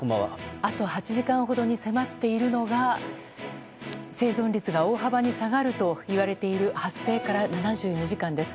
あと８時間ほどに迫っているのが生存率が大幅に下がるといわれている発生から７２時間です。